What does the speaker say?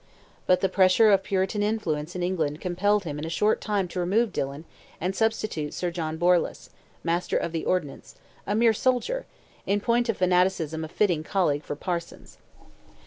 But the pressure of Puritan influence in England compelled him in a short time to remove Dillon and substitute Sir John Borlace, Master of the Ordnance—a mere soldier—in point of fanaticism a fitting colleague for Parsons.